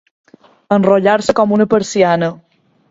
Enrotllar-se com una persiana.